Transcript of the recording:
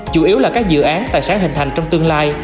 chủ yếu là các dự án tài sản hình thành trong tương lai